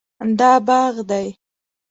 دا باغ دی